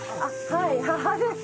はい母です。